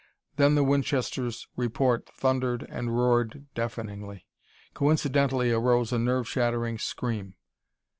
Then the Winchester's report thundered and roared deafeningly; coincidentally arose a nerve shattering scream.